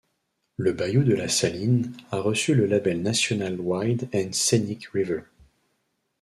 Le bayou de la Saline a reçu le label National Wild and Scenic River.